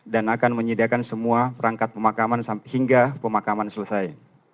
dan akan menyediakan semua perangkat pemakaman hingga pemakaman selesai